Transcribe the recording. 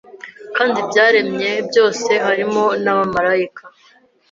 kandi byaremye byose harimo n'abamarayika